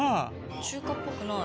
中華っぽくない。